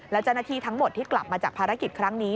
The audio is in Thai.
และเจ้าหน้าที่ทั้งหมดที่กลับมาจากภารกิจครั้งนี้